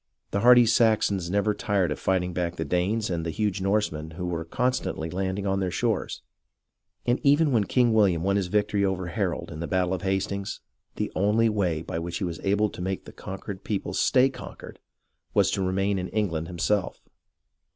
The hardy Saxons never tired of fighting back the Danes and the huge Norsemen who were constantly landing on their shores, and even when King WilHam won his victory over Harold in the battle of Hastings, the only way by which he was able to make the conquered people stay conquered was to remain in England himself.